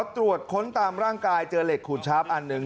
ตรวจค้นตามร่างกายเจอเหล็กขูดชาร์ฟอันหนึ่ง